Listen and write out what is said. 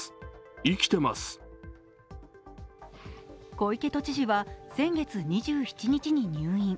小池都知事は先月２７日に入院。